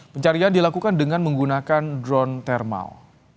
pencarian dilakukan dengan menggunakan drone thermal